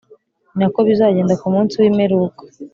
Ni na ko bizagenda ku munsi wimeruka